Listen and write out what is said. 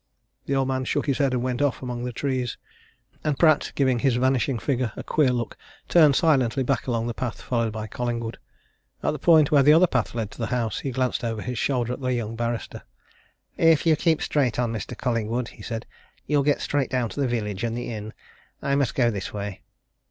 The old man shook his head and went off amongst the trees, and Pratt, giving his vanishing figure a queer look, turned silently back along the path, followed by Collingwood. At the point where the other path led to the house, he glanced over his shoulder at the young barrister. "If you keep straight on, Mr. Collingwood," he said, "you'll get straight down to the village and the inn. I must go this way."